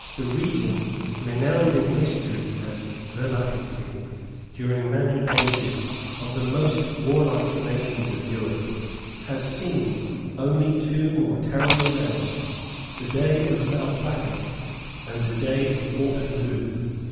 The region, renowned in history as the battle field, during many ages, of the most warlike nations of Europe, has seen only two more terrible days, the day of Malplaquet and the day of Waterloo.